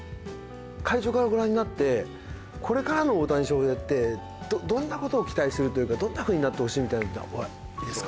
会長からご覧になってこれからの大谷翔平ってどんな事を期待するというかどんなふうになってほしいみたいなのっておありですか？